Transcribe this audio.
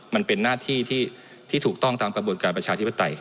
มันเป็นหน้าที่ที่ถูกต้องตามกระบวนการประชาธิปไตย